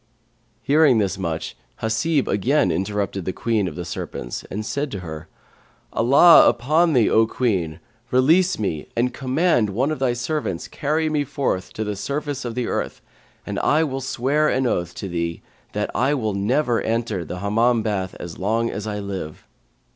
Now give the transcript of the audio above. '" Hearing this much Hasib again interrupted the Queen of the Serpents and said to her, "Allah upon thee, O Queen, release me and command one of thy servants carry me forth to the surface of the earth, and I will swear an oath to thee that I will never enter the Hammam bath as long as I live."